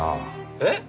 えっ！？